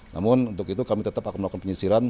namun untuk itu kami tetap akan melakukan penyisiran